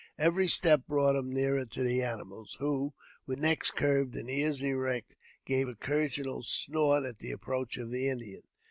Every step brought him nearer to t] animals, who, with necks curved and ears erect, gave occasional snort at the approach of the Indian.